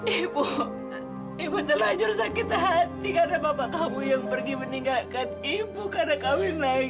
ibu ibu telah jauh sakit hati karena bapak kamu yang pergi meninggalkan ibu karena kawin lagi